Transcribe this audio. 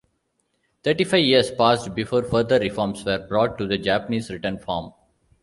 Thirty-five years passed before further reforms were brought to the Japanese written form.